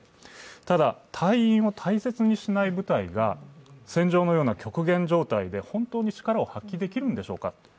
ただ、隊員を大切にしないような部隊が戦場のような極限状態で本当に力を発揮できるのでしょうか。